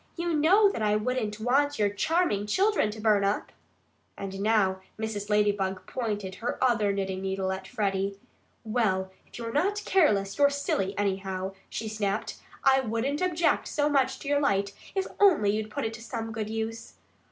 You know that I wouldn't want your charming children to burn up." And now Mrs. Ladybug pointed her other knitting needle at Freddie. "Well, if you're not careless, you're silly, anyhow," she snapped. "I wouldn't object so much to your light if only you'd put it to some good use.